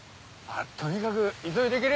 とにかく急いでけれ。